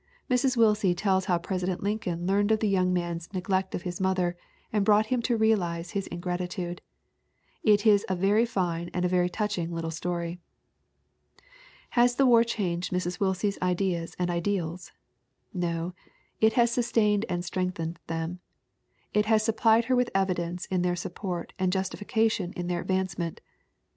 Mrs. Willsie tells how President Lincoln learned of the young man's neg lect of his mother and brought him to realize his in gratitude. It is a very fine and very touching little story. Has the war changed Mrs. Willsie's ideas and ideals? No, it has sustained and strengthened them; it has supplied her with evidence in their support and justification in their advancement.